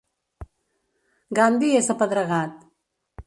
Gandhi és apedregat.